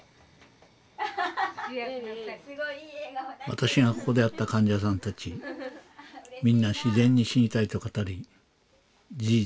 私がここで会った患者さんたちみんな自然に死にたいと語り事実